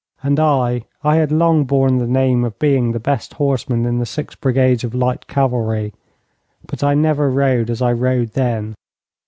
And I I had long borne the name of being the best horseman in the six brigades of light cavalry, but I never rode as I rode then.